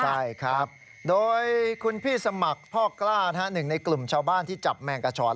ใช่ครับโดยคุณพี่สมัครพ่อกล้าหนึ่งในกลุ่มชาวบ้านที่จับแมงกระชอน